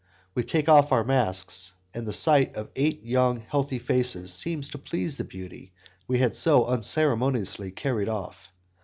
We take off our masks, and the sight of eight young, healthy faces seems to please the beauty we had so unceremoniously carried off.